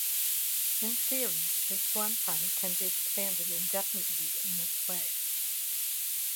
In theory, the suanpan can be expanded indefinitely in this way.